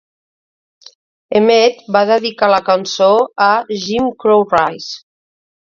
Emmett va dedicar la cançó a "Jim Crow Rice".